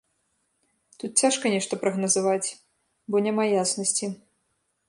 Тут цяжка нешта прагназаваць, бо няма яснасці.